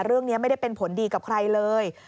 เรื่องนี้ไม่ได้เป็นผลดีกับใครเลย